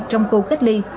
trong khu cách ly